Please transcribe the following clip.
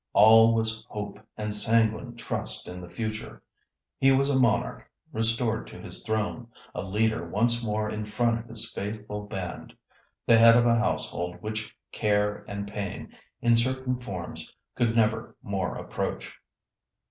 All was hope and sanguine trust in the future. He was a monarch restored to his throne, a leader once more in front of his faithful band, the head of a household which care and pain, in certain forms, could never more approach.